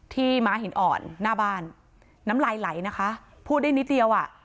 ม้าหินอ่อนหน้าบ้านน้ำลายไหลนะคะพูดได้นิดเดียวอ่ะ